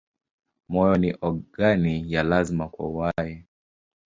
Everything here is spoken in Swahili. Moyo ni ogani ya lazima kwa uhai.